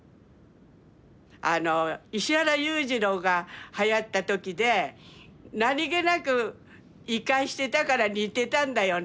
あの石原裕次郎がはやった時で何気なくイカしてたから似てたんだよね。